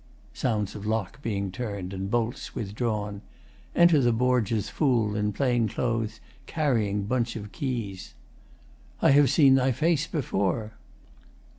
[Sounds of lock being turned and bolts withdrawn. Enter the Borgias' FOOL, in plain clothes, carrying bunch of keys.] I have seen thy face Before.